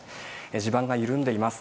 地盤が緩んでいます。